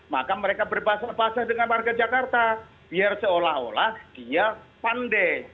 maka mereka berpasa basah dengan warga jakarta biar seolah olah dia pandai